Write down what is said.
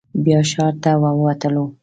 بیا ښار ته ووتلو.